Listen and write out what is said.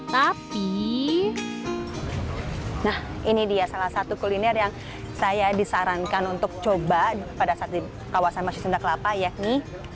tapi nah ini dia salah satu kuliner yang saya disarankan untuk coba pada saat di kawasan masjid sunda kelapa yakni